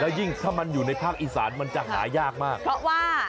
ยิ่งถ้ามันอยู่ในภาคอีสานมันจะหายากมากเพราะว่า